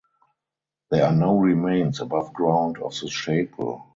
There are no remains above ground of the chapel.